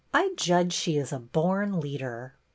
I judge she is a born leader."